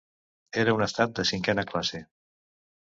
Era un estat de cinquena classe.